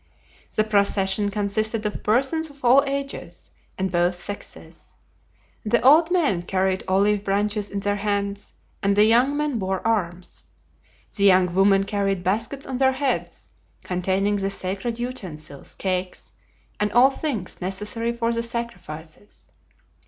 The procession consisted of persons of all ages and both sexes. The old men carried olive branches in their hands, and the young men bore arms. The young women carried baskets on their heads, containing the sacred utensils, cakes, and all things necessary for the sacrifices.